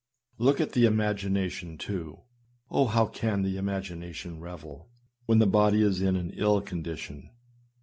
Look at the imagination too. Oh ! how can the imagination revel, w r hen the body is in an ill condition?